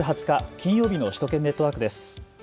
金曜日の首都圏ネットワークです。